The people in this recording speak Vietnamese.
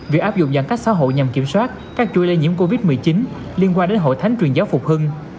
việc áp dụng giãn cách xã hội nhằm kiểm soát các chuỗi lây nhiễm covid một mươi chín liên quan đến hội thánh truyền giáo phục hưng